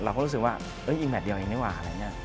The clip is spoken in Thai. เราก็รู้สึกว่าเอ้ยอีกแมตรเดียวนี่แหว่า